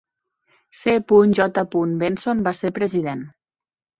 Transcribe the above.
C. J. Benson va ser president.